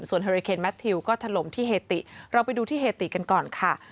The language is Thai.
ส่วนเฮอริเคนแมททิวก็ถล่มที่เฮติเราไปดูที่เฮติกันก่อนค่ะ